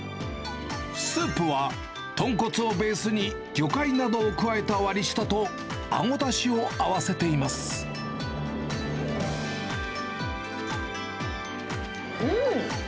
スープは豚骨をベースに魚介などを加えた割り下と、アゴだしを合うん！